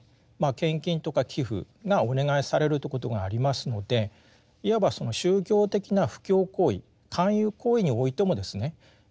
献金とか寄附がお願いされるということがありますのでいわばその宗教的な布教行為勧誘行為においてもですね